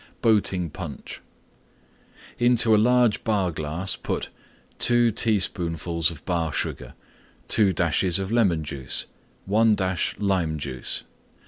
BOATING PUNCH Into a large Bar glass put: 2 teaspoonfuls Bar Sugar. 2 dashes Lemon Juice. 1 dash Lime Juice.